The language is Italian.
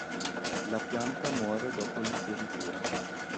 La pianta muore dopo la fioritura.